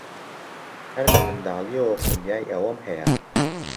هەر لە منداڵییەوە خولیای ئەوەم هەیە.